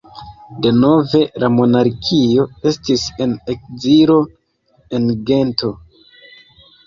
Denove la monarkio estis en ekzilo, en Gento.